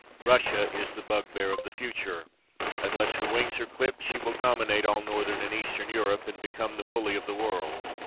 Russia is the bug bear of the future ; unless her wings are clipped, she will dominate all Northern and Eastern Europe, and become THE EDITOR'S PREFACE. ix the bully of the world.